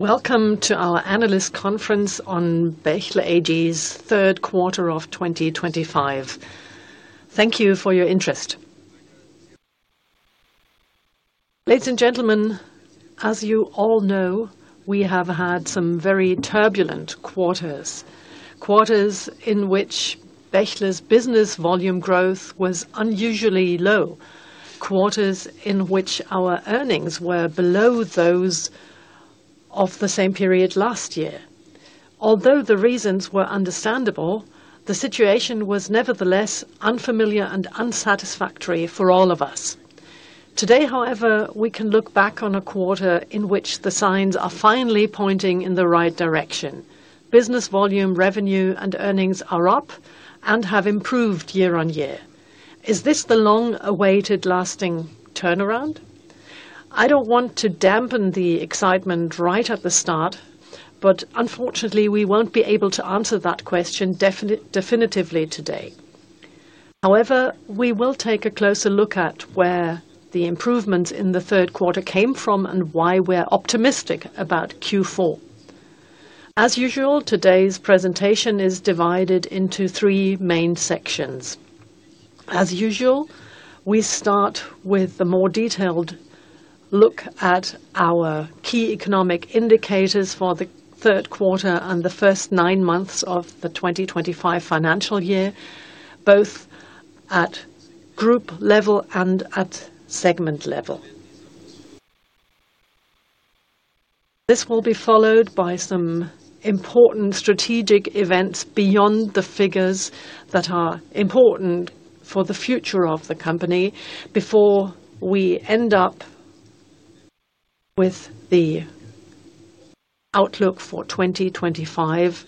Welcome to our Analyst Conference on Bechtle AG's Third Quarter of 2025. Thank you for your interest. Ladies and gentlemen, as you all know, we have had some very turbulent quarters, quarters in which Bechtle's business volume growth was unusually low, quarters in which our earnings were below those of the same period last year. Although the reasons were understandable, the situation was nevertheless unfamiliar and unsatisfactory for all of us. Today, however, we can look back on a quarter in which the signs are finally pointing in the right direction: business volume, revenue, and earnings are up and have improved year-on-year. Is this the long-awaited lasting turnaround? I do not want to dampen the excitement right at the start, but unfortunately, we will not be able to answer that question definitively today. However, we will take a closer look at where the improvement in the third quarter came from and why we're optimistic about Q4. As usual, today's presentation is divided into three main sections. As usual, we start with a more detailed look at our key economic indicators for the third quarter and the first nine months of the 2025 financial year, both at group level and at segment level. This will be followed by some important strategic events beyond the figures that are important for the future of the company before we end up with the outlook for 2025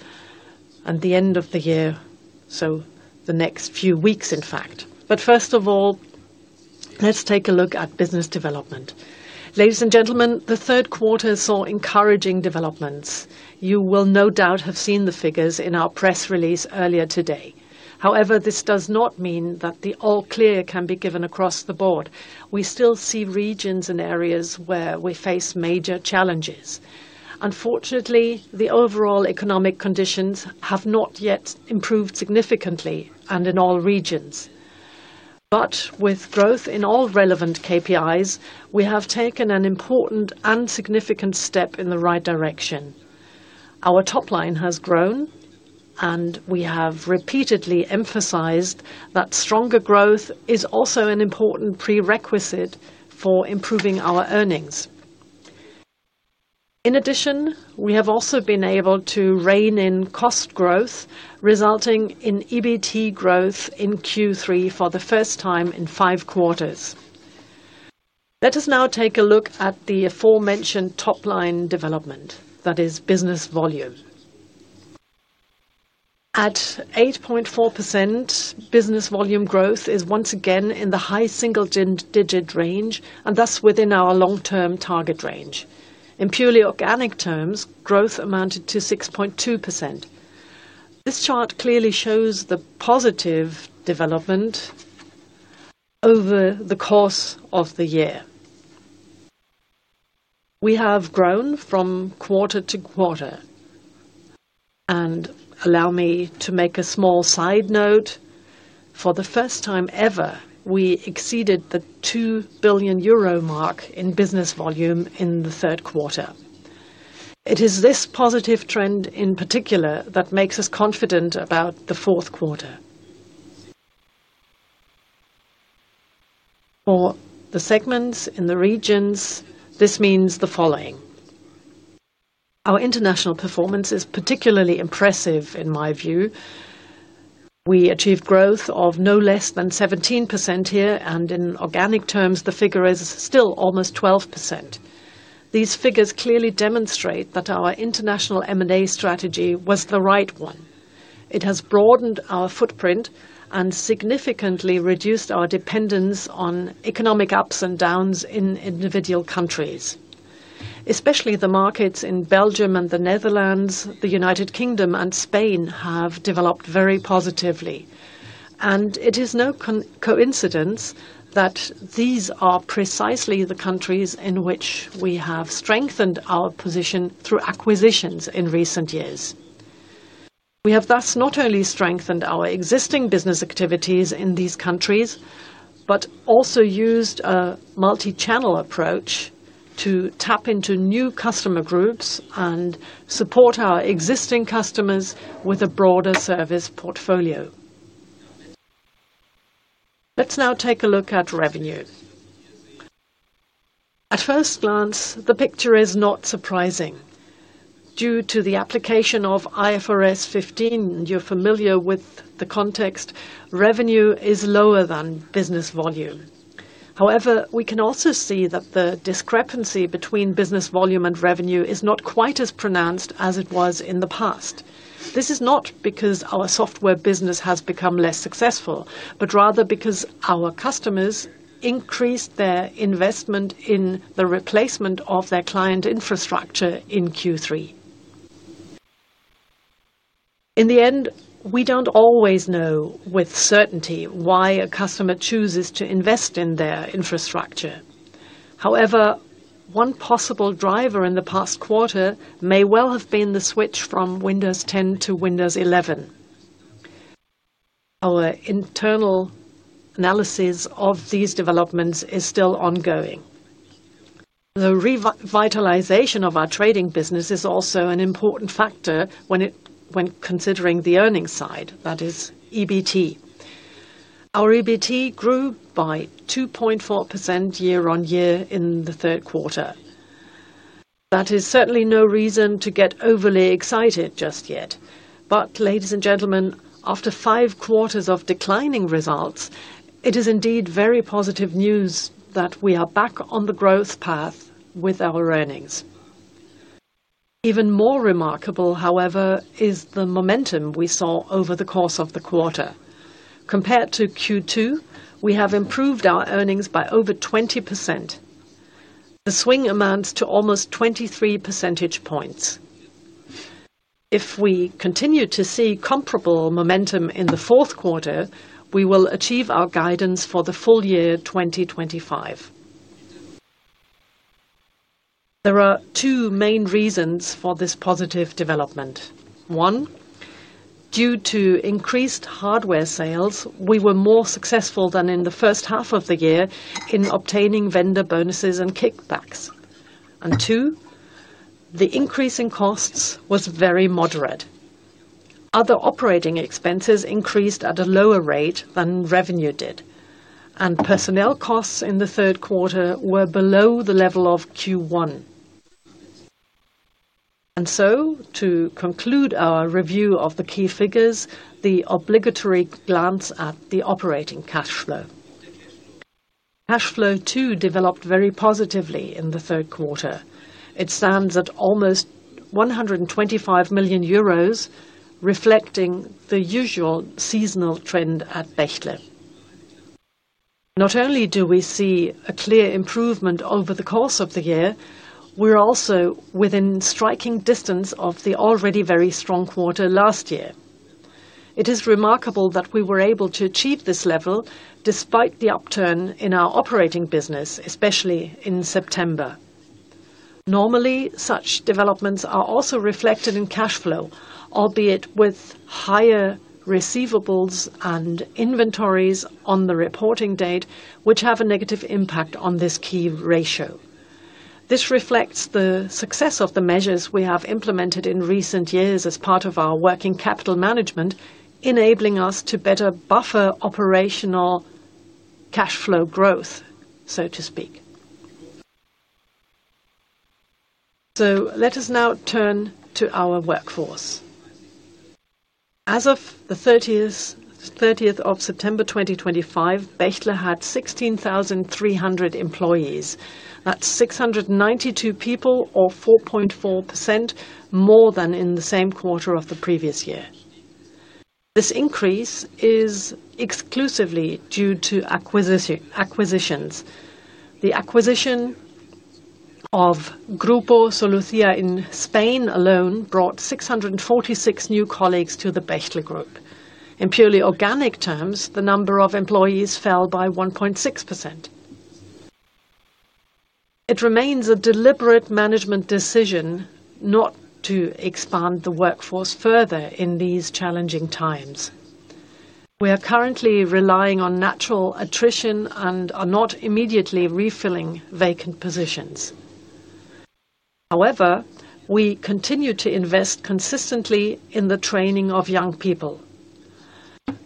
and the end of the year, so the next few weeks, in fact. But first of all, let's take a look at business development. Ladies and gentlemen, the third quarter saw encouraging developments. You will no doubt have seen the figures in our press release earlier today. However, this does not mean that the all-clear can be given across the board. We still see regions and areas where we face major challenges. Unfortunately, the overall economic conditions have not yet improved significantly and in all regions. But with growth in all relevant KPIs, we have taken an important and significant step in the right direction. Our top line has grown, and we have repeatedly emphasized that stronger growth is also an important prerequisite for improving our earnings. In addition, we have also been able to rein in cost growth, resulting in EBT growth in Q3 for the first time in five quarters. Let us now take a look at the aforementioned top line development, that is, business volume. At 8.4%, business volume growth is once again in the high single-digit range and thus within our long-term target range. In purely organic terms, growth amounted to 6.2%. This chart clearly shows the positive development over the course of the year. We have grown from quarter to quarter. Allow me to make a small side note: for the first time ever, we exceeded the 2 billion euro mark in business volume in the third quarter. It is this positive trend in particular that makes us confident about the fourth quarter. For the segments in the regions, this means the following. Our international performance is particularly impressive, in my view. We achieved growth of no less than 17% here, and in organic terms, the figure is still almost 12%. These figures clearly demonstrate that our international M&A strategy was the right one. It has broadened our footprint and significantly reduced our dependence on economic ups and downs in individual countries. Especially the markets in Belgium and the Netherlands, the United Kingdom, and Spain have developed very positively. It is no coincidence that these are precisely the countries in which we have strengthened our position through acquisitions in recent years. We have thus not only strengthened our existing business activities in these countries but also used a multi-channel approach to tap into new customer groups and support our existing customers with a broader service portfolio. Let's now take a look at revenue. At first glance, the picture is not surprising. Due to the application of IFRS 15, you're familiar with the context, revenue is lower than business volume. However, we can also see that the discrepancy between business volume and revenue is not quite as pronounced as it was in the past. This is not because our software business has become less successful, but rather because our customers increased their investment in the replacement of their client infrastructure in Q3. In the end, we do not always know with certainty why a customer chooses to invest in their infrastructure. However, one possible driver in the past quarter may well have been the switch from Windows 10 to Windows 11. Our internal analysis of these developments is still ongoing. The revitalization of our trading business is also an important factor when considering the earnings side, that is, EBT. Our EBT grew by 2.4% year-on-year in the third quarter. That is certainly no reason to get overly excited just yet. But, ladies and gentlemen, after five quarters of declining results, it is indeed very positive news that we are back on the growth path with our earnings. Even more remarkable, however, is the momentum we saw over the course of the quarter. Compared to Q2, we have improved our earnings by over 20%. The swing amounts to almost 23 percentage points. If we continue to see comparable momentum in the fourth quarter, we will achieve our guidance for the full year 2025. There are two main reasons for this positive development. One, due to increased hardware sales, we were more successful than in the first half of the year in obtaining vendor bonuses and kickbacks. Two, the increase in costs was very moderate. Other operating expenses increased at a lower rate than revenue did, and personnel costs in the third quarter were below the level of Q1. And so to conclude our review of the key figures, the obligatory glance at the operating cash flow. Cash flow too developed very positively in the third quarter. It stands at almost 125 million euros, reflecting the usual seasonal trend at Bechtle. Not only do we see a clear improvement over the course of the year, we're also within striking distance of the already very strong quarter last year. It is remarkable that we were able to achieve this level despite the upturn in our operating business, especially in September. Normally, such developments are also reflected in cash flow, albeit with higher receivables and inventories on the reporting date, which have a negative impact on this key ratio. This reflects the success of the measures we have implemented in recent years as part of our working capital management, enabling us to better buffer operational cash flow growth, so to speak. Let us now turn to our workforce. As of the 30th of September 2025, Bechtle had 16,300 employees. That's 692 people, or 4.4% more than in the same quarter of the previous year. This increase is exclusively due to acquisitions. The acquisition of Grupo Solutia in Spain alone brought 646 new colleagues to the Bechtle Group. In purely organic terms, the number of employees fell by 1.6%. It remains a deliberate management decision not to expand the workforce further in these challenging times. We are currently relying on natural attrition and are not immediately refilling vacant positions. However, we continue to invest consistently in the training of young people.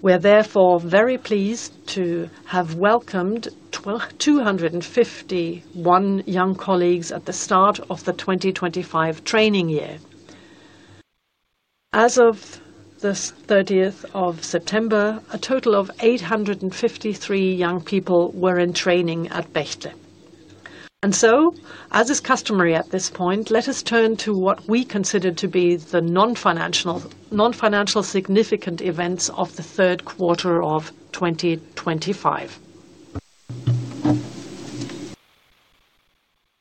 We are therefore very pleased to have welcomed 251 young colleagues at the start of the 2025 training year. As of the 30th of September, a total of 853 young people were in training at Bechtle. And so as is customary at this point, let us turn to what we consider to be the non-financial significant events of the third quarter of 2025.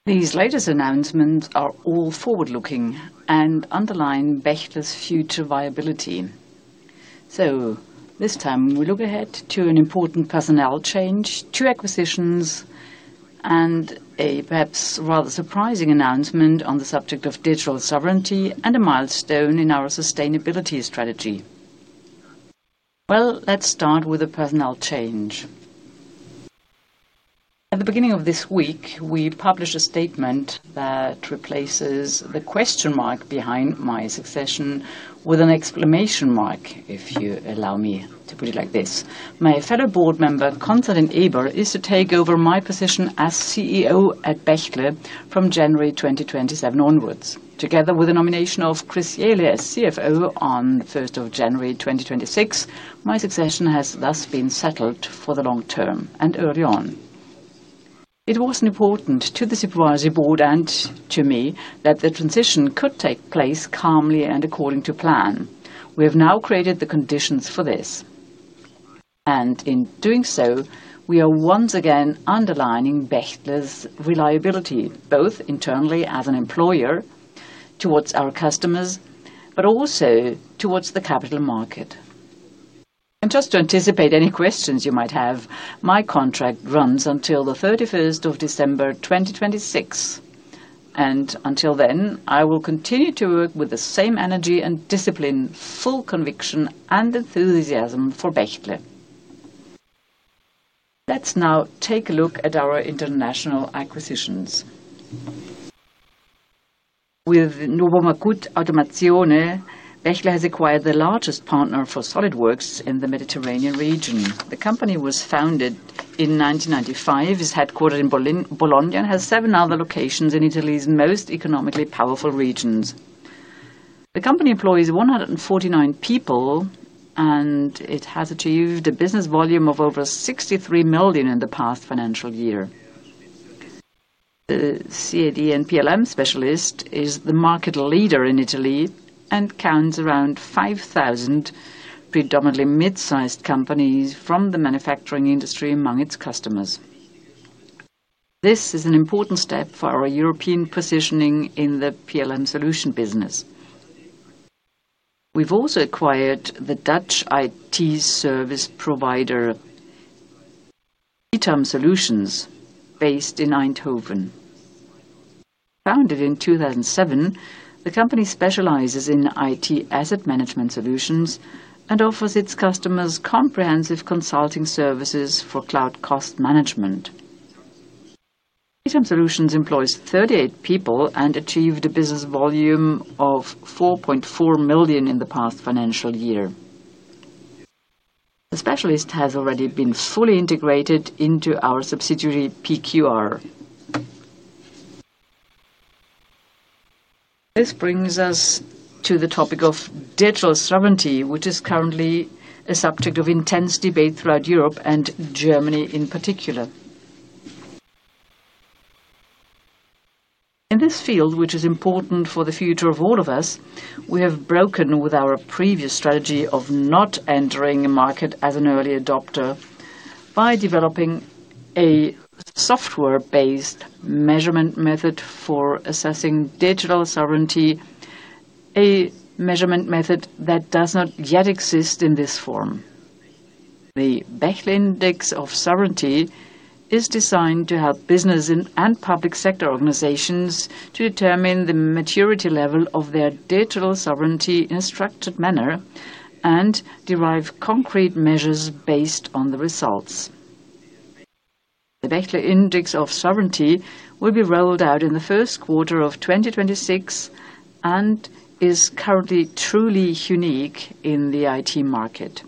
These latest announcements are all forward-looking and underline Bechtle's future viability. So this time, we look ahead to an important personnel change, two acquisitions, and a perhaps rather surprising announcement on the subject of digital sovereignty and a milestone in our sustainability strategy. Well let's start with a personnel change. At the beginning of this week, we published a statement that replaces the question mark behind my succession with an exclamation mark, if you allow me to put it like this. My fellow board member, Konstantin Ebert, is to take over my position as CEO at Bechtle from January 2027 onwards. Together with the nomination of Chris Yealy as CFO on the 1st of January 2026, my succession has thus been settled for the long term and early on. It was important to the supervisory board and to me that the transition could take place calmly and according to plan. We have now created the conditions for this. And in doing so, we are once again underlining Bechtle's reliability, both internally as an employer towards our customers, but also towards the capital market. Just to anticipate any questions you might have, my contract runs until the 31st of December 2026. Until then, I will continue to work with the same energy and discipline, full conviction, and enthusiasm for Bechtle. Let's now take a look at our international acquisitions. With Nuovamacut Automazione, Bechtle has acquired the largest partner for SOLIDWORKS in the Mediterranean region. The company was founded in 1995, is headquartered in Bologna, and has seven other locations in Italy's most economically powerful regions. The company employs 149 people, and it has achieved a business volume of over 63 million in the past financial year. The CAD and PLM specialist is the market leader in Italy and counts around 5,000 predominantly mid-sized companies from the manufacturing industry among its customers. This is an important step for our European positioning in the PLM solution business. We've also acquired the Dutch IT service provider, ITAM Solutions, based in Eindhoven. Founded in 2007, the company specializes in IT asset management solutions and offers its customers comprehensive consulting services for cloud cost management. ITAM Solutions employs 38 people and achieved a business volume of 4.4 million in the past financial year. The specialist has already been fully integrated into our subsidiary PQR. This brings us to the topic of digital sovereignty, which is currently a subject of intense debate throughout Europe and Germany in particular. In this field, which is important for the future of all of us, we have broken with our previous strategy of not entering a market as an early adopter by developing a software-based measurement method for assessing digital sovereignty, a measurement method that does not yet exist in this form. The Bechtle Index of Sovereignty is designed to help businesses and public sector organizations to determine the maturity level of their digital sovereignty in a structured manner and derive concrete measures based on the results. The Bechtle Index of Sovereignty will be rolled out in the first quarter of 2026 and is currently truly unique in the IT market.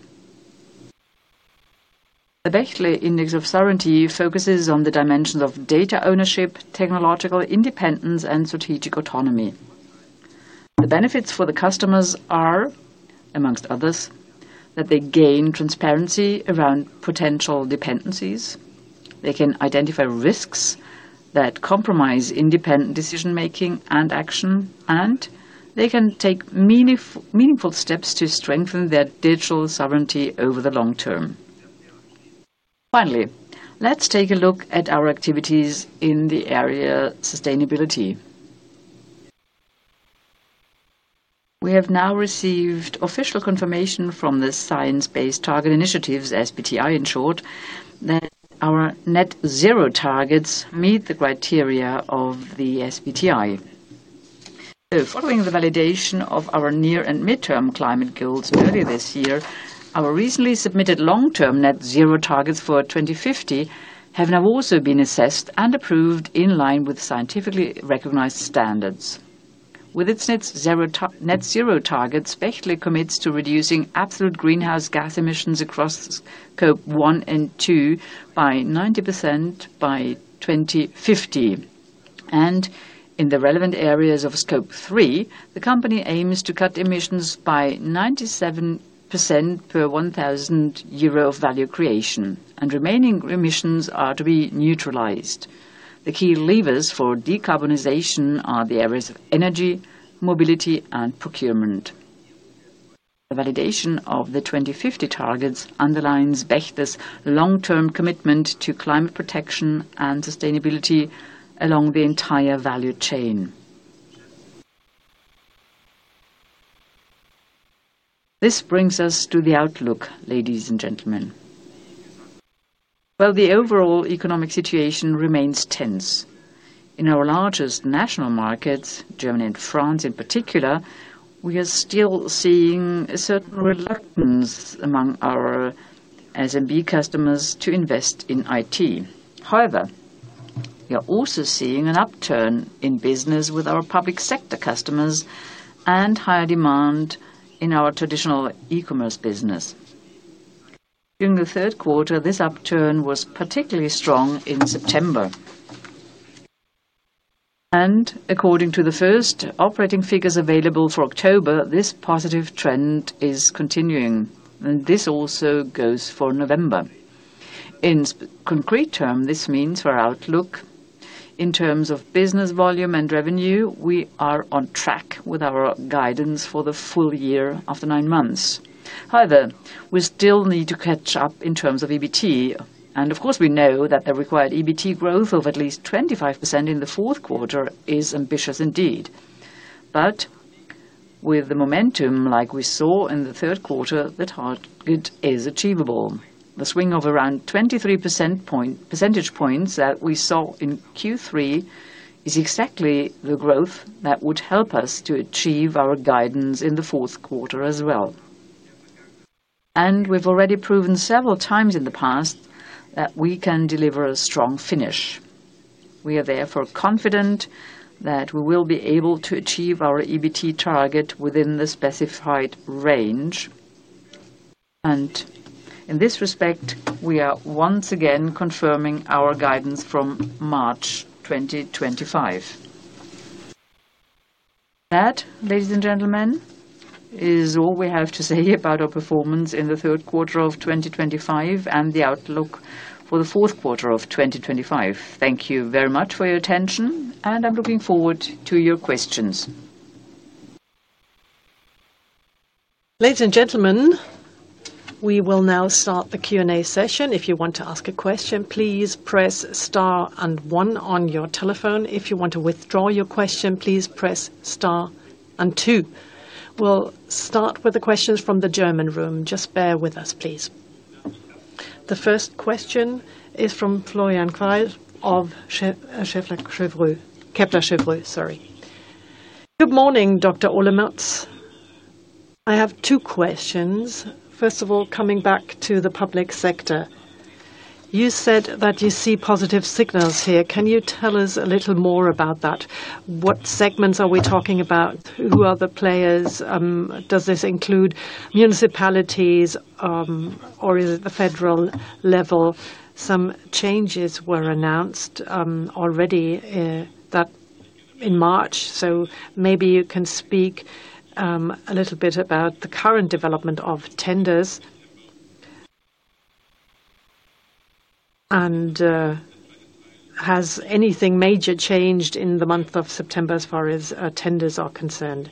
The Bechtle Index of Sovereignty focuses on the dimensions of data ownership, technological independence, and strategic autonomy. The benefits for the customers are, amongst others, that they gain transparency around potential dependencies, they can identify risks that compromise independent decision-making and action, and they can take meaningful steps to strengthen their digital sovereignty over the long term. Finally, let's take a look at our activities in the area sustainability. We have now received official confirmation from the Science Based Targets initiative, SBTi in short, that our net zero targets meet the criteria of the SBTi. Following the validation of our near and mid-term climate goals earlier this year, our recently submitted long-term net-zero targets for 2050 have now also been assessed and approved in line with scientifically recognized standards. With its net-zero targets, Bechtle commits to reducing absolute greenhouse gas emissions across scope one and two by 90% by 2050. And in the relevant areas of scope three, the company aims to cut emissions by 97% per 1,000 euro of value creation, and remaining emissions are to be neutralized. The key levers for decarbonization are the areas of energy, mobility, and procurement. The validation of the 2050 targets underlines Bechtle's long-term commitment to climate protection and sustainability along the entire value chain. This brings us to the outlook, ladies and gentlemen. While the overall economic situation remains tense, in our largest national markets, Germany and France in particular, we are still seeing a certain reluctance among our SMB customers to invest in IT. However, we are also seeing an upturn in business with our public sector customers and higher demand in our traditional e-commerce business. During the third quarter, this upturn was particularly strong in September. And according to the first operating figures available for October, this positive trend is continuing, and this also goes for November. In concrete terms, this means for outlook in terms of business volume and revenue, we are on track with our guidance for the full year after nine months. However, we still need to catch up in terms of EBT. Of course, we know that the required EBT growth of at least 25% in the fourth quarter is ambitious indeed. But with the momentum like we saw in the third quarter, the target is achievable. The swing of around 23 percentage points that we saw in Q3 is exactly the growth that would help us to achieve our guidance in the fourth quarter as well. And we have already proven several times in the past that we can deliver a strong finish. We are therefore confident that we will be able to achieve our EBT target within the specified range. And in this respect, we are once again confirming our guidance from March 2025. That, ladies and gentlemen, is all we have to say about our performance in the third quarter of 2025 and the outlook for the fourth quarter of 2025. Thank you very much for your attention, and I'm looking forward to your questions. Ladies and gentlemen, we will now start the Q&A session. If you want to ask a question, please press star and one on your telephone. If you want to withdraw your question, please press star and two. We'll start with the questions from the German room. Just bear with us, please. The first question is from Florian Kalt of Kepler Cheuvreux. Good morning, Dr. Olemotz. I have two questions. First of all, coming back to the public sector, you said that you see positive signals here. Can you tell us a little more about that? What segments are we talking about? Who are the players? Does this include municipalities, or is it the federal level? Some changes were announced already in March, so maybe you can speak a little bit about the current development of tenders. And has anything major changed in the month of September as far as tenders are concerned?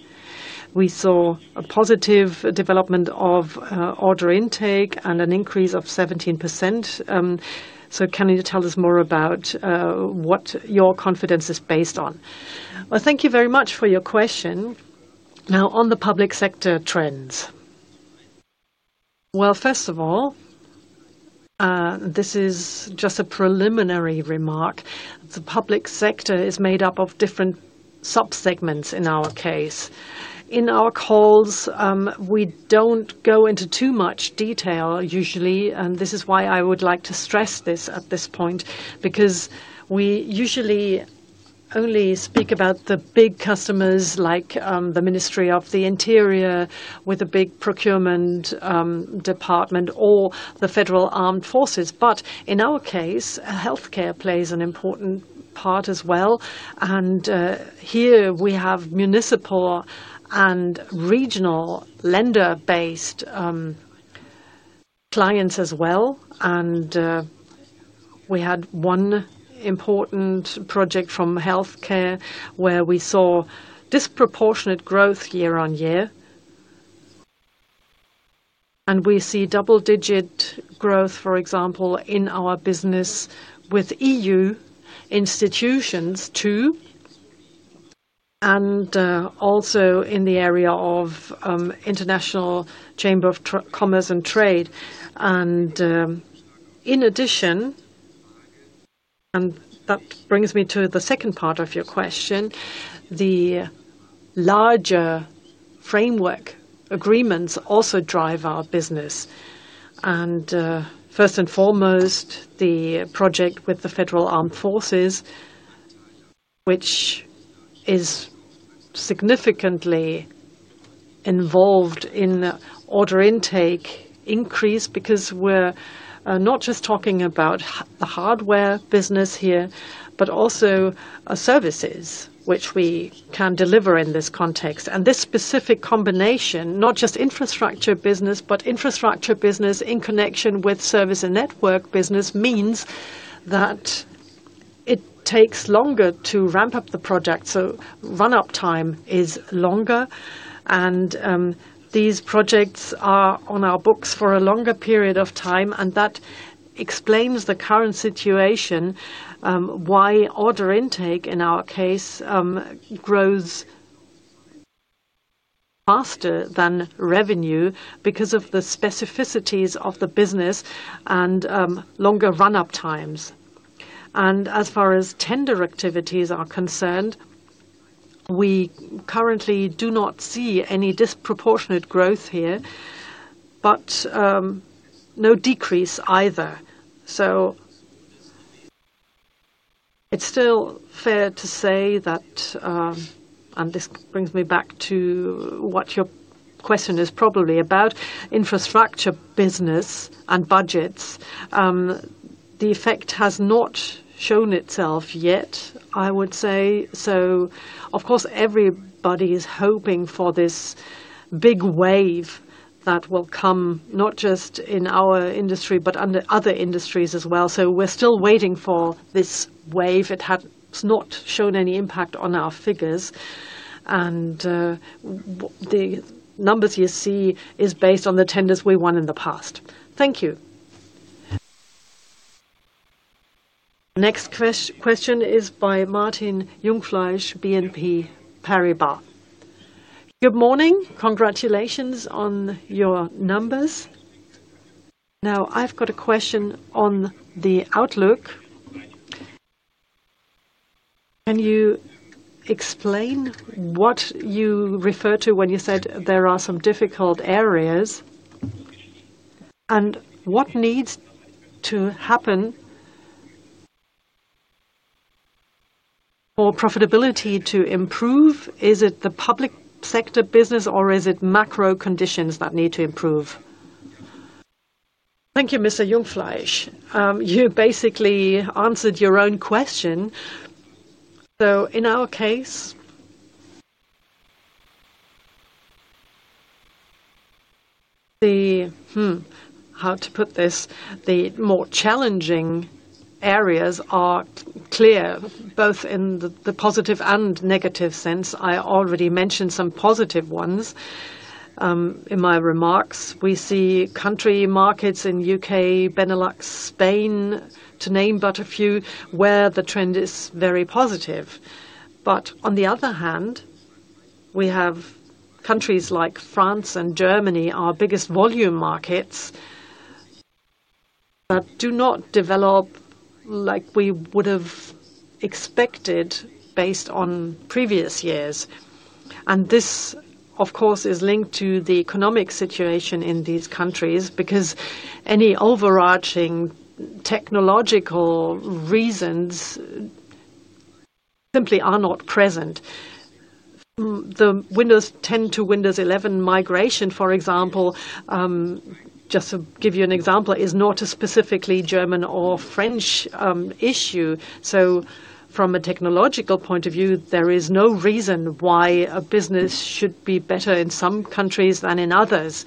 We saw a positive development of order intake and an increase of 17%. Can you tell us more about what your confidence is based on? Thank you very much for your question. Now, on the public sector trends. First of all, this is just a preliminary remark. The public sector is made up of different subsegments in our case. In our calls, we do not go into too much detail usually, and this is why I would like to stress this at this point, because we usually only speak about the big customers like the Ministry of the Interior with a big procurement department or the Federal Armed Forces. But in our case, healthcare plays an important part as well. Here we have municipal and regional lender-based clients as well. And we had one important project from healthcare where we saw disproportionate growth year-on-year. We see double-digit growth, for example, in our business with EU institutions too, and also in the area of International Chamber of Commerce and Trade. And in addition, and that brings me to the second part of your question, the larger framework agreements also drive our business. First and foremost, the project with the Federal Armed Forces is significantly involved in order intake increase, because we're not just talking about the hardware business here, but also services which we can deliver in this context. This specific combination, not just infrastructure business, but infrastructure business in connection with service and network business, means that it takes longer to ramp up the project. Run-up time is longer, and these projects are on our books for a longer period of time. That explains the current situation, why order intake in our case grows faster than revenue because of the specificities of the business and longer run-up times. And as far as tender activities are concerned, we currently do not see any disproportionate growth here, but no decrease either. So, it is still fair to say that, and this brings me back to what your question is probably about, infrastructure business and budgets. The effect has not shown itself yet, I would say. Of course, everybody is hoping for this big wave that will come not just in our industry, but in other industries as well. We are still waiting for this wave. It has not shown any impact on our figures. The numbers you see are based on the tenders we won in the past. Thank you. Next question is by Martin Jungfleisch, BNP Paribas. Good morning. Congratulations on your numbers. Now, I have got a question on the outlook. Can you explain what you refer to when you said there are some difficult areas? What needs to happen for profitability to improve? Is it the public sector business, or is it macro conditions that need to improve? Thank you, Mr. Jungfleisch. You basically answered your own question. In our case, the, how to put this, the more challenging areas are clear, both in the positive and negative sense. I already mentioned some positive ones in my remarks. We see country markets in the U.K., Benelux, Spain, to name but a few, where the trend is very positive. But on the other hand, we have countries like France and Germany, our biggest volume markets, that do not develop like we would have expected based on previous years. And this, of course, is linked to the economic situation in these countries because any overarching technological reasons simply are not present. The Windows 10 to Windows 11 migration, for example, just to give you an example, is not a specifically German or French issue. So from a technological point of view, there is no reason why a business should be better in some countries than in others.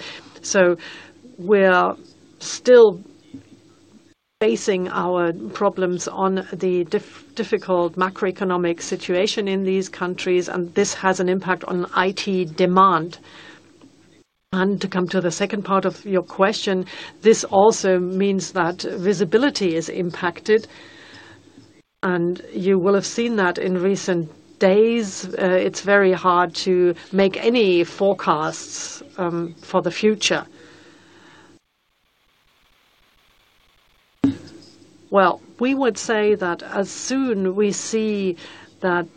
We are still basing our problems on the difficult macroeconomic situation in these countries, and this has an impact on IT demand. And to come to the second part of your question, this also means that visibility is impacted. And you will have seen that in recent days. It is very hard to make any forecasts for the future. Well would say that as soon as we see that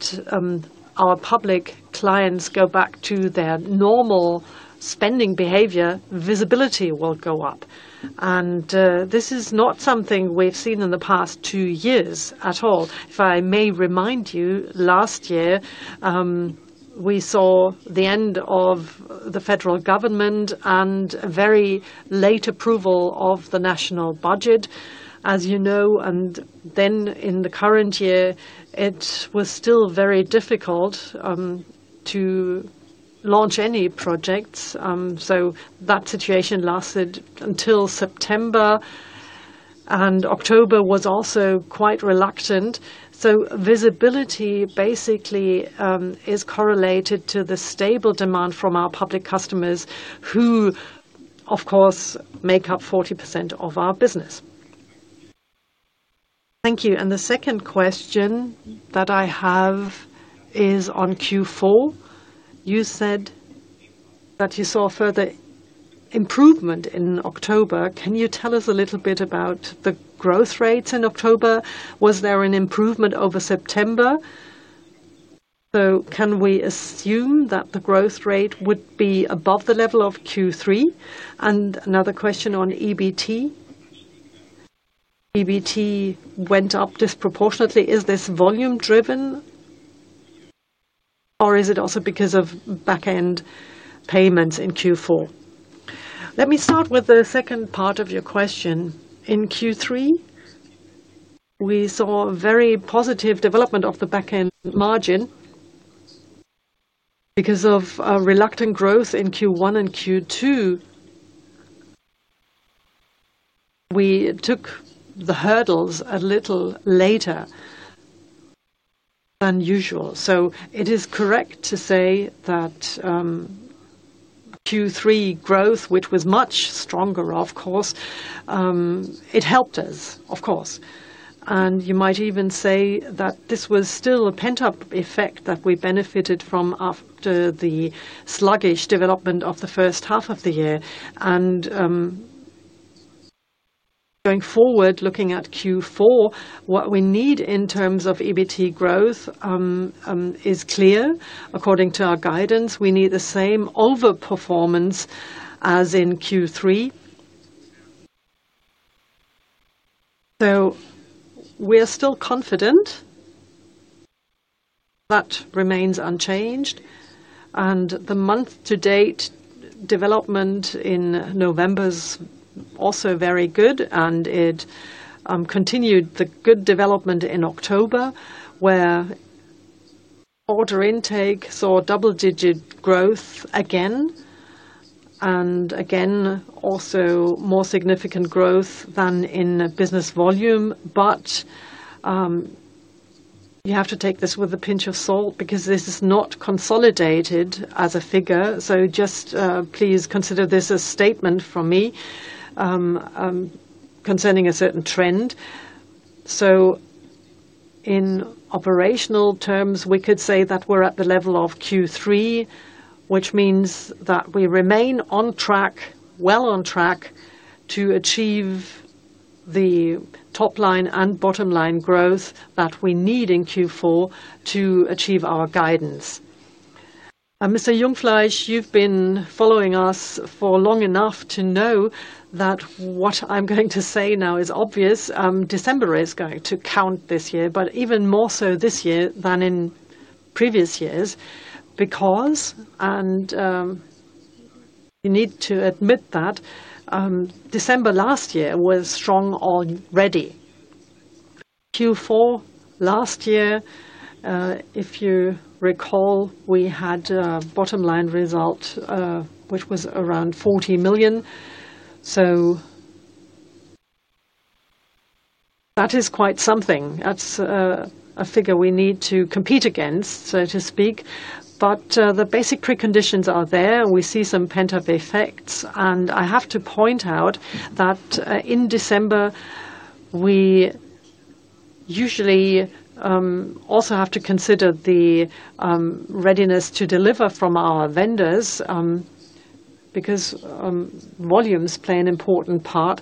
our public clients go back to their normal spending behavior, visibility will go up. And this is not something we have seen in the past two years at all. If I may remind you, last year, we saw the end of the federal government and a very late approval of the national budget, as you know. Then in the current year, it was still very difficult to launch any projects. So that situation lasted until September, and October was also quite reluctant. So visibility basically is correlated to the stable demand from our public customers who, of course, make up 40% of our business. Thank you. The second question that I have is on Q4. You said that you saw further improvement in October. Can you tell us a little bit about the growth rates in October? Was there an improvement over September? Can we assume that the growth rate would be above the level of Q3? Another question on EBT. EBT went up disproportionately. Is this volume-driven, or is it also because of back-end payments in Q4? Let me start with the second part of your question. In Q3, we saw a very positive development of the back-end margin. Because of reluctant growth in Q1 and Q2, we took the hurdles a little later than usual. It is correct to say that Q3 growth, which was much stronger, of course, it helped us, of course. You might even say that this was still a pent-up effect that we benefited from after the sluggish development of the first half of the year. Going forward, looking at Q4, what we need in terms of EBT growth is clear. According to our guidance, we need the same overperformance as in Q3. We are still confident. That remains unchanged. The month-to-date development in November is also very good, and it continued the good development in October where order intake saw double-digit growth again. Again, also more significant growth than in business volume. You have to take this with a pinch of salt because this is not consolidated as a figure. Just please consider this a statement from me concerning a certain trend. In operational terms, we could say that we're at the level of Q3, which means that we remain on track, well on track to achieve the top-line and bottom-line growth that we need in Q4 to achieve our guidance. Mr. Jungfleisch, you've been following us for long enough to know that what I'm going to say now is obvious. December is going to count this year, but even more so this year than in previous years because, and you need to admit that, December last year was strong already. Q4 last year, if you recall, we had a bottom-line result which was around 40 million. So that is quite something. That's a figure we need to compete against, so to speak. The basic preconditions are there. We see some pent-up effects. I have to point out that in December, we usually also have to consider the readiness to deliver from our vendors because volumes play an important part.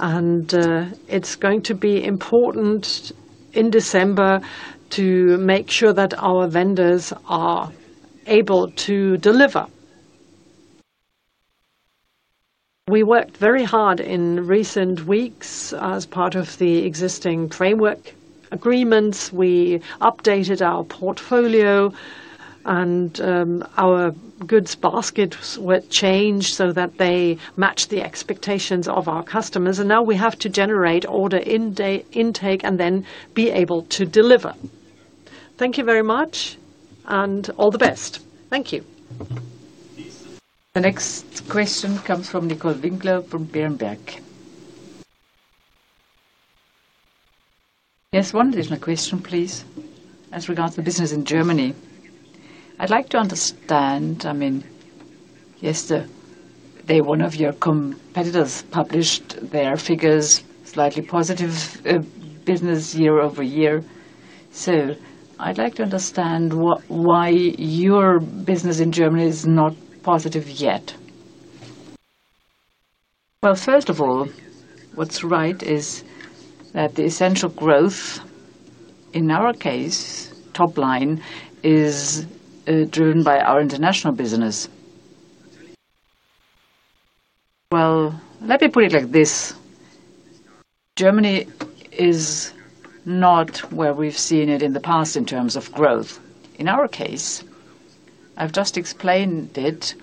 It's going to be important in December to make sure that our vendors are able to deliver. We worked very hard in recent weeks as part of the existing framework agreements. We updated our portfolio, and our goods baskets were changed so that they matched the expectations of our customers. Now we have to generate order intake and then be able to deliver. Thank you very much, and all the best. Thank you. The next question comes from Nicole Winkler from Berenberg. Yes, one additional question, please, as regards to business in Germany. I'd like to understand, I mean, yesterday, one of your competitors published their figures, slightly positive business year-over-year. I'd like to understand why your business in Germany is not positive yet. First of all, what's right is that the essential growth in our case, top-line, is driven by our international business. Let me put it like this. Germany is not where we've seen it in the past in terms of growth. In our case, I've just explained it.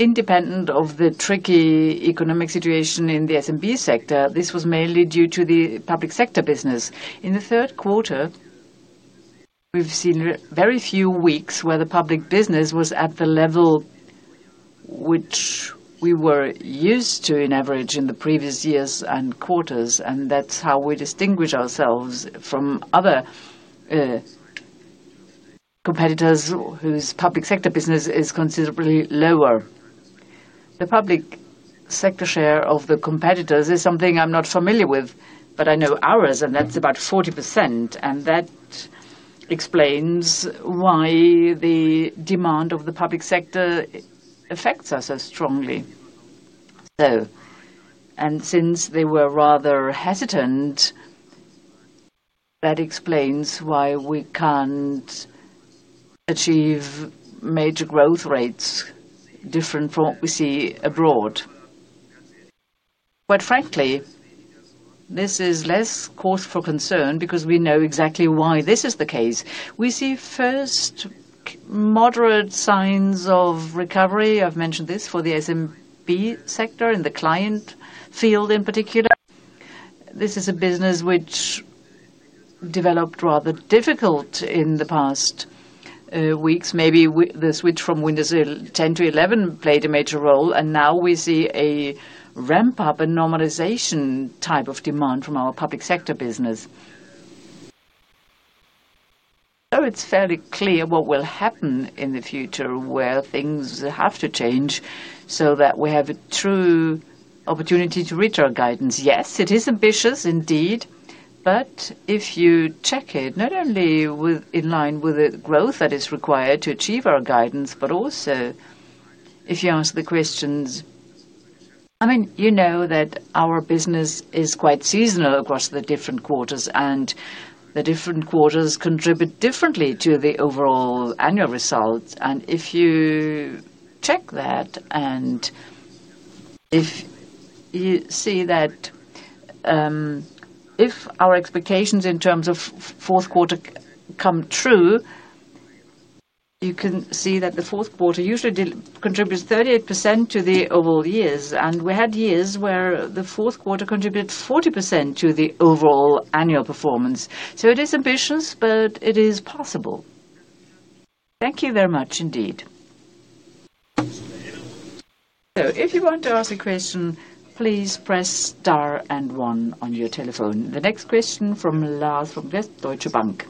Independent of the tricky economic situation in the SMB sector, this was mainly due to the public sector business. In the third quarter, we've seen very few weeks where the public business was at the level which we were used to on average in the previous years and quarters. That's how we distinguish ourselves from other competitors whose public sector business is considerably lower. The public sector share of the competitors is something I'm not familiar with, but I know ours, and that's about 40%. That explains why the demand of the public sector affects us so strongly. Since they were rather hesitant, that explains why we can't achieve major growth rates different from what we see abroad. Quite frankly, this is less cause for concern because we know exactly why this is the case. We see first moderate signs of recovery. I've mentioned this for the SMB sector and the client field in particular. This is a business which developed rather difficult in the past weeks. Maybe the switch from Windows 10 to 11 played a major role. Now we see a ramp-up and normalization type of demand from our public sector business. It is fairly clear what will happen in the future where things have to change so that we have a true opportunity to reach our guidance. Yes, it is ambitious indeed. But if you check it, not only in line with the growth that is required to achieve our guidance, but also if you ask the questions, I mean, you know that our business is quite seasonal across the different quarters, and the different quarters contribute differently to the overall annual results. If you check that and if you see that if our expectations in terms of fourth quarter come true, you can see that the fourth quarter usually contributes 38% to the overall years. We had years where the fourth quarter contributed 40% to the overall annual performance. So it is ambitious, but it is possible. Thank you very much indeed. If you want to ask a question, please press star and one on your telephone. The next question from Lars from West Deutsche Bank.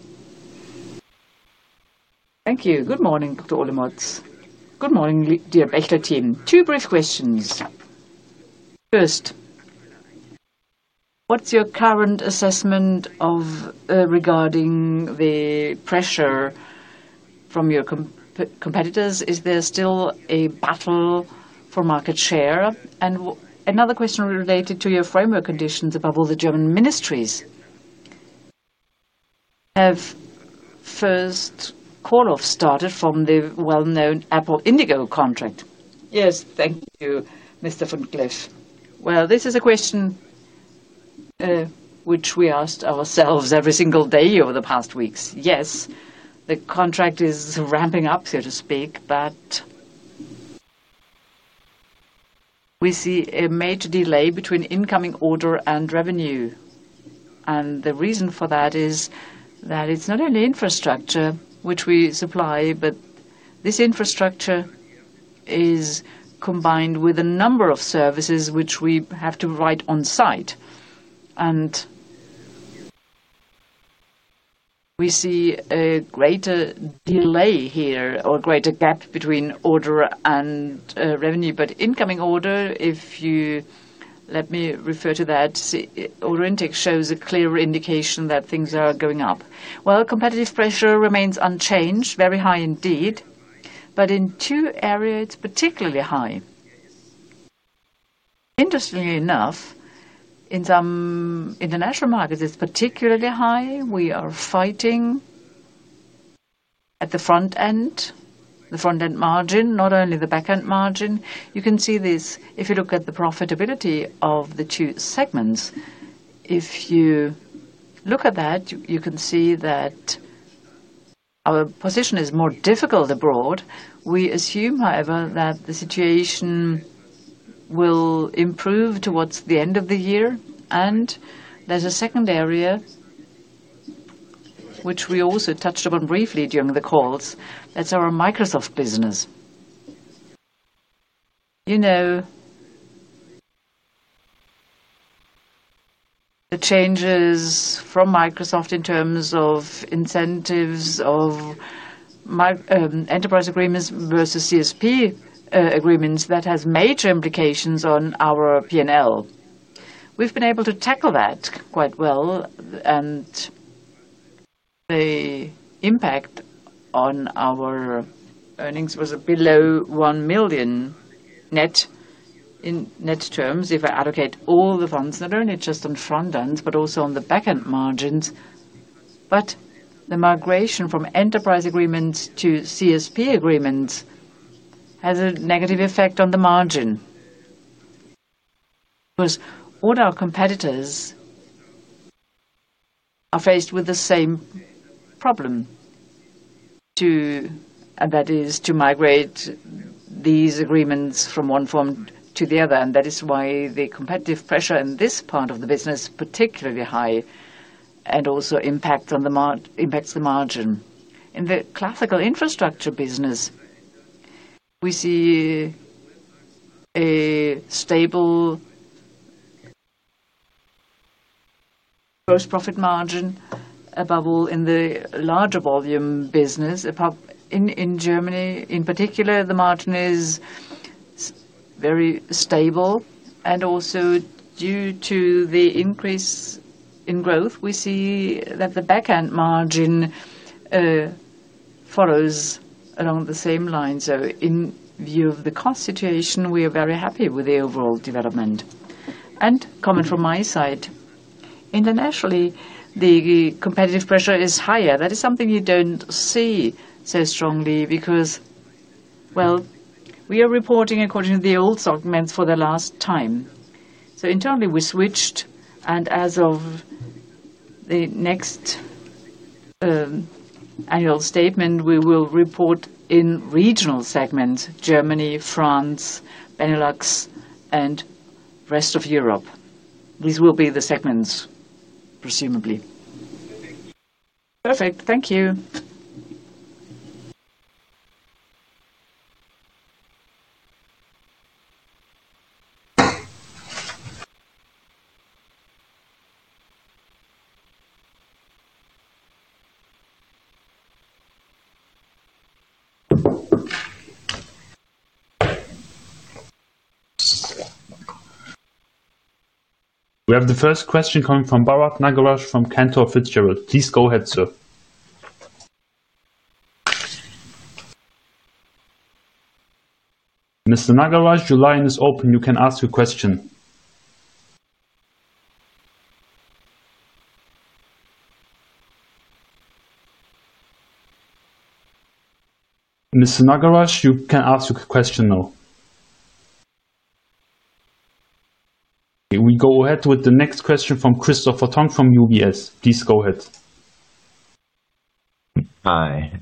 Thank you. Good morning, Dr. Olemotz. Good morning, dear Bechtle team. Two brief questions. First, what is your current assessment regarding the pressure from your competitors? Is there still a battle for market share? And another question related to your framework conditions, above all the German ministries. Have first call-offs started from the well-known Apple Indigo contract? Yes, thank you, Mr. Van Glift. This is a question which we asked ourselves every single day over the past weeks. Yes, the contract is ramping up, so to speak, but we see a major delay between incoming order and revenue. And the reason for that is that it's not only infrastructure which we supply, but this infrastructure is combined with a number of services which we have to provide on-site. We see a greater delay here or greater gap between order and revenue. If you let me refer to that, order intake shows a clear indication that things are going up. Competitive pressure remains unchanged, very high indeed, but in two areas, it's particularly high. Interestingly enough, in some international markets, it's particularly high. We are fighting at the front end, the front-end margin, not only the back-end margin. You can see this if you look at the profitability of the two segments. If you look at that, you can see that our position is more difficult abroad. We assume, however, that the situation will improve towards the end of the year. There is a second area which we also touched upon briefly during the calls. That is our Microsoft business. You know the changes from Microsoft in terms of incentives of enterprise agreements versus CSP agreements that has major implications on our P&L. We have been able to tackle that quite well. And the impact on our earnings was below 1 million net in net terms if I allocate all the funds, not only just on front-end, but also on the back-end margins. The migration from enterprise agreements to CSP agreements has a negative effect on the margin because all our competitors are faced with the same problem, and that is to migrate these agreements from one form to the other. That is why the competitive pressure in this part of the business is particularly high and also impacts the margin. In the classical infrastructure business, we see a stable gross profit margin, above all in the larger volume business. In Germany, in particular, the margin is very stable. And also, due to the increase in growth, we see that the back-end margin follows along the same lines. In view of the cost situation, we are very happy with the overall development. A comment from my side: internationally, the competitive pressure is higher. That is something you do not see so strongly because we are reporting according to the old segments for the last time. So internally, we switched, and as of the next annual statement, we will report in regional segments: Germany, France, Benelux, and rest of Europe. These will be the segments, presumably. Perfect. Thank you. We have the first question coming from Bharath Nagaraj from Cantor Fitzgerald. Please go ahead, sir. Mr. Nagaraj, your line is open. You can ask your question. Mr. Nagaraj, you can ask your question now. We go ahead with the next question from Christopher Tong from UBS. Please go ahead. Hi.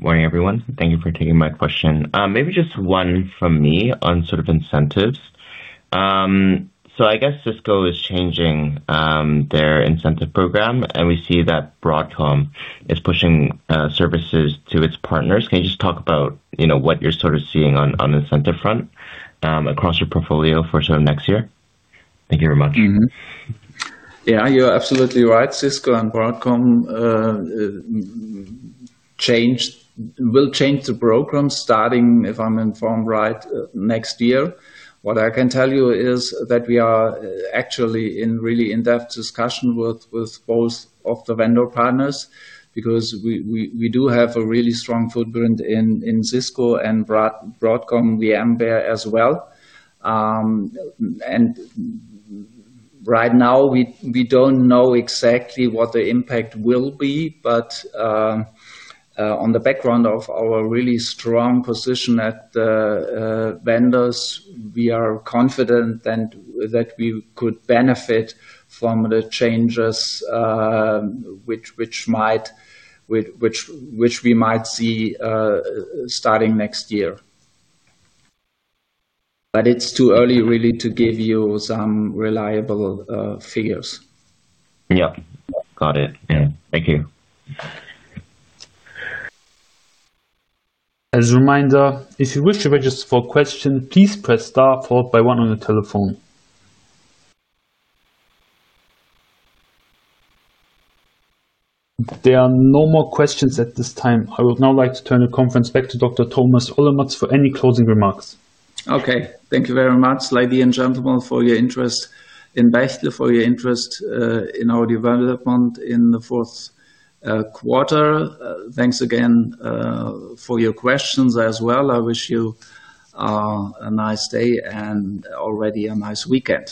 Morning, everyone. Thank you for taking my question. Maybe just one from me on sort of incentives. I guess Cisco is changing their incentive program, and we see that Broadcom is pushing services to its partners. Can you just talk about what you're sort of seeing on the incentive front across your portfolio for next year? Thank you very much. Yeah, you're absolutely right. Cisco and Broadcom will change the program starting, if I'm informed right, next year. What I can tell you is that we are actually in really in-depth discussion with both of the vendor partners because we do have a really strong footprint in Cisco and Broadcom VMware as well. Right now, we do not know exactly what the impact will be. On the background of our really strong position at the vendors, we are confident that we could benefit from the changes which we might see starting next year. It is too early, really, to give you some reliable figures. Yeah. Got it. Yeah. Thank you. As a reminder, if you wish to register for a question, please press star followed by one on the telephone. There are no more questions at this time. I would now like to turn the conference back to Dr. Thomas Olemotz for any closing remarks. Okay. Thank you very much, ladies and gentlemen, for your interest in Bechtle, for your interest in our development in the fourth quarter. Thanks again for your questions as well. I wish you a nice day and already a nice weekend.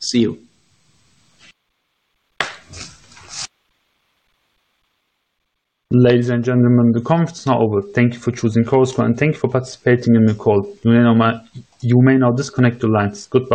See you. Ladies and gentlemen, the conference is now over. Thank you for choosing COSTCO, and thank you for participating in the call. You may now disconnect your lines. Goodbye.